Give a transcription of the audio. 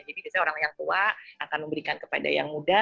jadi biasanya orang yang tua akan memberikan kepada yang muda